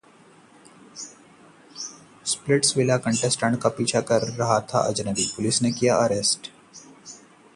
Splitsvilla contestant का पीछा कर रहा था अजनबी, पुलिस ने किया अरेस्ट